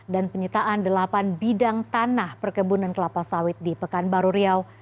dan penyitaan delapan bidang tanah perkebunan kelapa sawit di pekanbaru riau